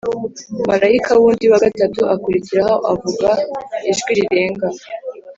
Marayika wundi wa gatatu akurikiraho avuga ijwi rirenga